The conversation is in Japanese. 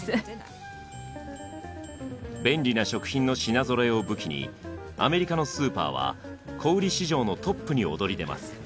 便利な食品の品ぞろえを武器にアメリカのスーパーは小売市場のトップに躍り出ます。